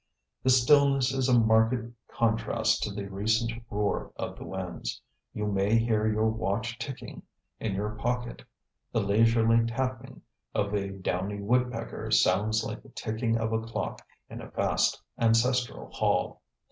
The stillness is a marked contrast to the recent roar of the winds. You may hear your watch ticking in your pocket. The leisurely tapping of a downy woodpecker sounds like the ticking of a clock in a vast ancestral hall.